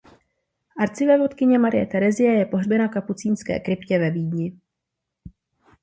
Arcivévodkyně Marie Terezie je pohřbena v Kapucínské kryptě ve Vídni.